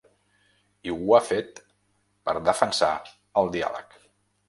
I ho ha fet per defensar el diàleg.